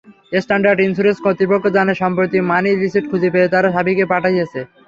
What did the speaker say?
Standard insurance কর্তৃপক্ষ জানায়, সম্প্রতি মানি রিসিট খুঁজে পেয়ে তারা সাবীকে পাঠিয়েছে।